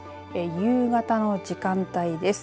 夕方の時間帯です。